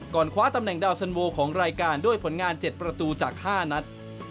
คว้าตำแหนดาวสันโวของรายการด้วยผลงาน๗ประตูจาก๕นัด